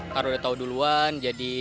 kalau dia tahu duluan